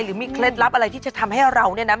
หรือมีเคล็ดลับอะไรที่จะทำให้เราเนี่ยนะ